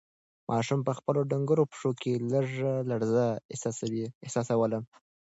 ماشوم په خپلو ډنگرو پښو کې لږه لړزه احساسوله.